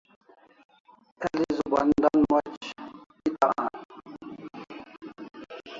El'i zuban dan moch eta an